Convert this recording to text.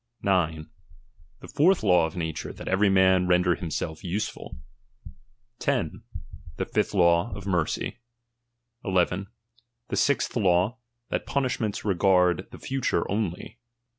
9. The fourth law of nature, that every man Tender himself useful. 10. The fifth law, of mercy. 11. The isth law, that punishments regard the future only.